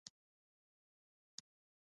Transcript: په خپلو غنمو.